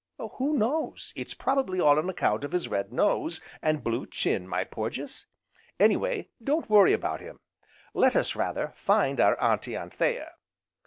"Who knows? It's probably all on account of his red nose, and blue chin, my Porges. Anyway, don't worry about him, let us rather, find our Auntie Anthea."